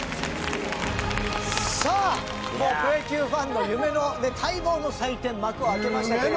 さあもうプロ野球ファンの夢の待望の祭典幕を開けましたけども。